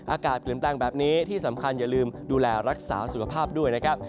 อากาศเปลี่ยนแปลงแบบนี้ที่สำคัญอย่าลืมดูแลรักษาสุขภาพด้วยนะครับ